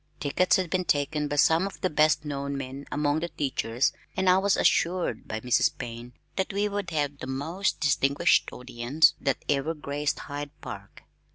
Tickets had been taken by some of the best known men among the teachers, and I was assured by Mrs. Payne that we would have the most distinguished audience that ever graced Hyde Park.